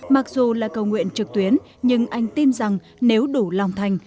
mặc dù là cầu nguyện trực tuyến nhưng anh tin rằng nếu đủ lòng thành